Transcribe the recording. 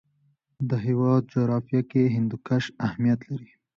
د هېواد جغرافیه کې هندوکش اهمیت لري.